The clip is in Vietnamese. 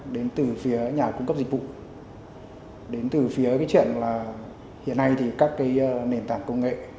đến từ phía nhà cung cấp dịch vụ đến từ phía cái chuyện là hiện nay thì các cái nền tảng công nghệ